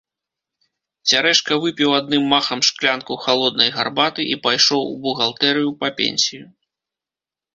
Цярэшка выпіў адным махам шклянку халоднай гарбаты і пайшоў у бухгалтэрыю па пенсію.